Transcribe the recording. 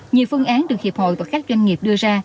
nhiều phương án được hiệp hội và các doanh nghiệp đưa ra